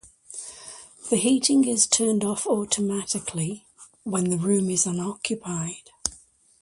The heating is turned off automatically when the room is unoccupied.